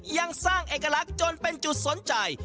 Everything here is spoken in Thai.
ยังสร้างเอกลักษณ์จนเป็นจุดสนใจ